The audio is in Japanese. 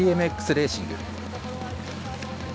レーシング。